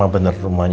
kamu pun kesel parent